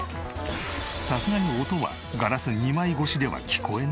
さすがに音はガラス２枚越しでは聞こえないので。